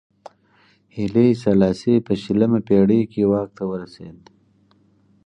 هیلي سلاسي په شلمه پېړۍ کې واک ته ورسېد.